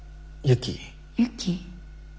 ユキ？